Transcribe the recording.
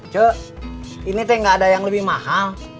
cek ini teh gak ada yang lebih mahal